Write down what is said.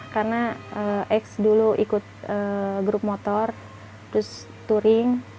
karena ex dulu ikut grup motor terus touring